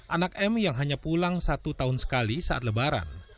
anak m yang hanya pulang satu tahun sekali saat lebaran